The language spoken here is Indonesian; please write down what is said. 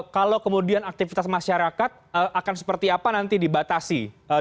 kalau kemudian aktivitas masyarakat akan seperti apa nanti dibatasi